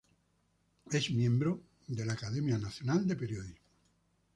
Es miembro de la Academia Nacional de Periodismo.